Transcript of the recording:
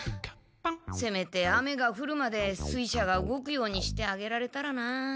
せめて雨がふるまで水車が動くようにしてあげられたらなあ。